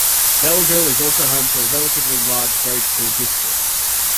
Belleville is also home to a relatively large grade school district.